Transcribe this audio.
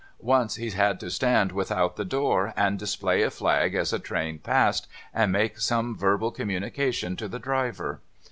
Once he had to stand without the door, and display a flag as a train passed, and make some verbal communi cation to the driver.